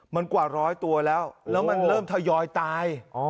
มันกว่าร้อยตัวแล้วแล้วมันเริ่มทยอยตาย